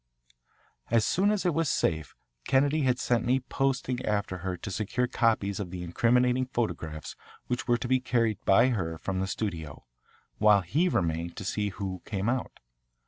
As soon as it was safe Kennedy had sent me posting after her to secure copies of the incriminating photographs which were to be carried by her from the studio, while he remained to see who came out.